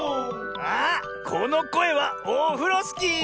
あっこのこえはオフロスキー！